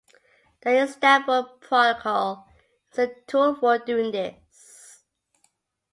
The Istanbul Protocol is a tool for doing this.